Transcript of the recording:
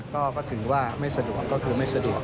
ก็ถือว่าไม่สะดวกก็คือไม่สะดวก